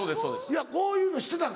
こういうの知ってたん？